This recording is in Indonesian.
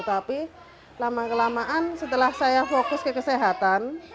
tapi lama kelamaan setelah saya fokus ke kesehatan